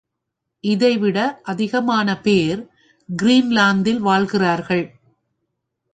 இதைவிட அதிகமான பேர் கிரீன்லாந்தில் வாழ்கிறார்கள்.